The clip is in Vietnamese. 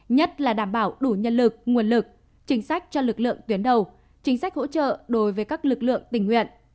nhất là đảm bảo đủ nhân lực nguồn lực chính sách cho lực lượng tuyến đầu chính sách hỗ trợ đối với các lực lượng tình nguyện